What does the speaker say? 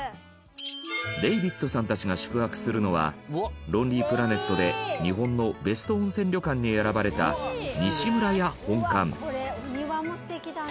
デイヴィットさんたちが宿泊するのは『ロンリープラネット』で日本のベスト温泉旅館に選ばれた西村屋本館。